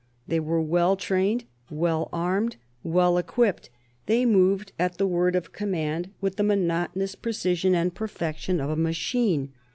They were well trained, well armed, well equipped. They moved at the word of command with the monotonous precision and perfection of a machine.